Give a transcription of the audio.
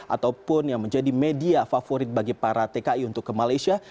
ataupun yang menjadi media favorit bagi para tki untuk ke malaysia